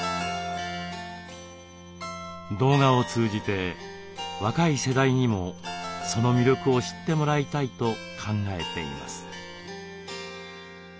動画を通じて若い世代にもその魅力を知ってもらいたいと考えています。